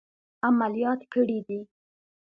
عملیات کړي دي.